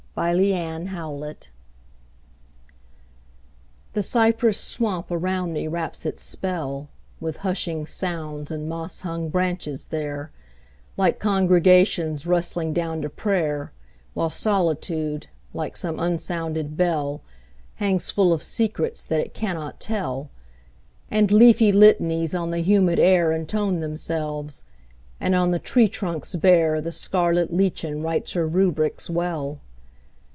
Y Z Down the Bayou THE cypress swamp around me wraps its spell, With hushing sounds in moss hung branches there, Like congregations rustling down to prayer, While Solitude, like some unsounded bell, Hangs full of secrets that it cannot tell, And leafy litanies on the humid air Intone themselves, and on the tree trunks bare The scarlet lichen writes her rubrics well.